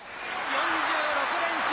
３６連勝。